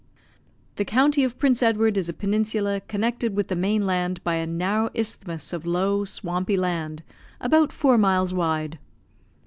The county of Prince Edward is a peninsula connected with the main land by a narrow isthmus of low swampy land about four miles wide.